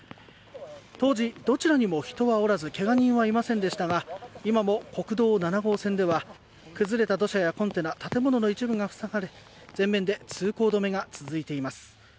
当時、どちらにも人はおらずけが人はいませんでしたが今も国道７号線では崩れた土砂やコンテナ建物の一部が塞がれ全面で通行止めが続いています。